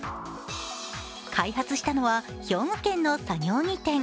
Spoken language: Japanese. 開発したの兵庫県の作業着店。